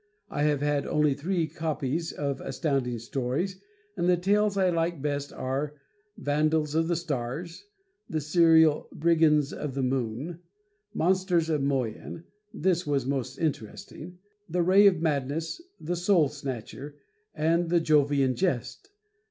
I have had only three copies of Astounding Stories, and the tales I like best are: "Vandals of the Stars," the serial "Brigands of the Moon," "Monsters of Moyen" this was most interesting "The Ray of Madness," "The Soul Snatcher," and "The Jovian Jest."